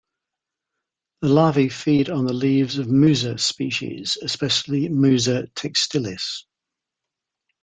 The larvae feed on the leaves of "Musa" species, especially "Musa textilis".